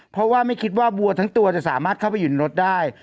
เพราะว่าไม่คิดว่าวัวทั้งตัวจะสามารถเข้าไปอยู่ในรถได้